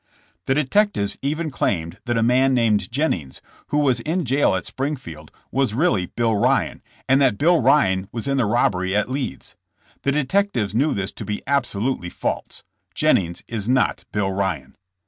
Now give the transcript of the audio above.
The detectives even claimed that a man named Jennings, who was in jail at Springfield, was really Bill Ryan, and that Bill Ryan was in the robbery at Leeds. The detectives knew this to be absolutely false. Jennings is not Bill Ryan.